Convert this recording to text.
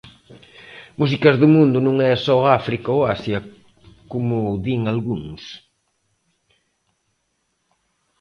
Músicas do mundo non é só África ou Asia, como din algúns.